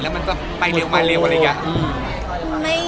แล้วมันไปเร็วอะไรเยี่ยะ